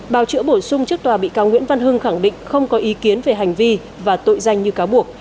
bào chữa bổ sung trước tòa bị cáo nguyễn văn hưng khẳng định không có ý kiến về hành vi và tội danh như cáo buộc